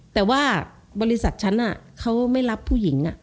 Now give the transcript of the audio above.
แต่ว่าบริษัทฉันเขาไม่รับผู้หญิง